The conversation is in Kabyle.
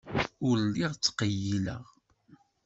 Ur lliɣ ttqeyyileɣ.